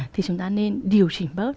thì chúng ta nên điều chỉnh